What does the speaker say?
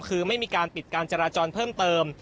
คือไม่มีการปิดการจราจรเพิ่มเติม